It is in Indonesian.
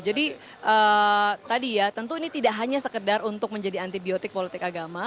jadi tadi ya tentu ini tidak hanya sekedar untuk menjadi antibiotik politik agama